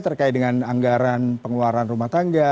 terkait dengan anggaran pengeluaran rumah tangga